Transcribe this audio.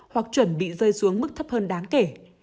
hoặc chuẩn bị rơi xuống mức thấp hơn đáng kể